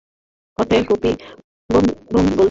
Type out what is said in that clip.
পথে গোপী বোষ্টমের বৌ বলিল, দিদি ঠাকরুন, তা বাড়ি যাচ্ছ বুঝি?